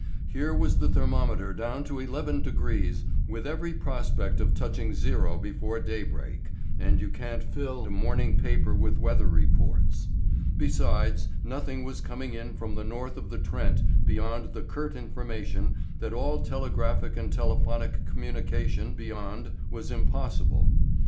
Here was the thermometer down to 11° with every prospect of touching zero before daybreak, and you can't fill a morning paper with weather reports. Besides, nothing was coming in from the North of the Trent beyond the curt information that all telegraphic and telephonic communication beyond was impossible.